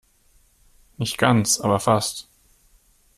Nicht ganz, aber fast.